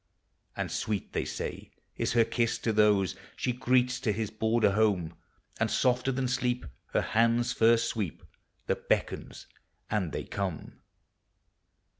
And sweet, they say, is her kiss to those She greets to his border home ; And softer than sleep her hand's first sweep That beckons, and they come.